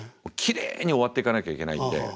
きれいに終わっていかなきゃいけないんで。